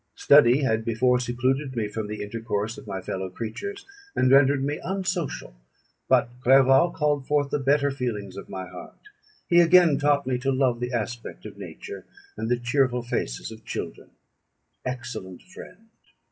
Study had before secluded me from the intercourse of my fellow creatures, and rendered me unsocial; but Clerval called forth the better feelings of my heart; he again taught me to love the aspect of nature, and the cheerful faces of children. Excellent friend!